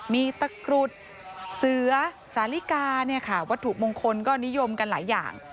มีตะกรุดเสือสาลิกาเนี่ยค่ะวัตถุมงคลก็นิยมกันหลายอย่าง